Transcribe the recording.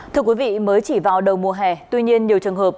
thưa quý vị mới chỉ vào đầu mùa hè tuy nhiên nhiều trường hợp